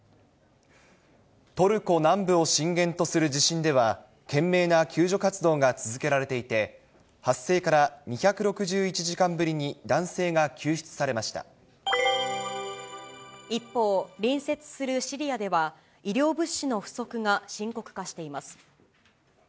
トルコ南部を震源とする地震では、懸命な救助活動が続けられていて、発生から２６１時間ぶり一方、隣接するシリアでは、医療物資の不足が深刻化しています。